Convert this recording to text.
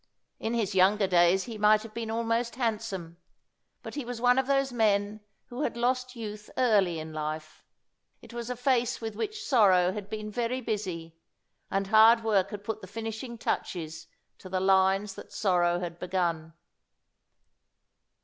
In his younger days he might have been almost handsome, but he was one of those men who had lost youth early in life. It was a face with which sorrow had been very busy, and hard work had put the finishing touches to the lines that sorrow had begun.